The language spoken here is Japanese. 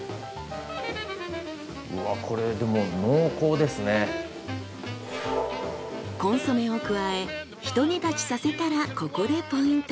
うわこれでもコンソメを加えひと煮立ちさせたらここでポイント！